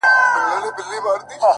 یوه ورځ به دي چیچي. پر سپینو لېچو.